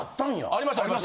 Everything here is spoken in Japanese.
ありました。